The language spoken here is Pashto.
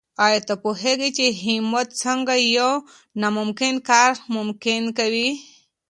آیا ته پوهېږې چې همت څنګه یو ناممکن کار ممکن کوي؟